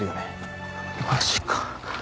マジか。